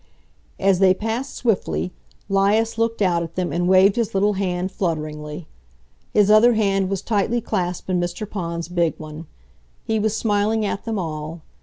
As they passed swiftly, 'Lias looked out at them and waved his little hand flutteringly. His other hand was tightly clasped in Mr. Pond's big one. He was smiling at them all.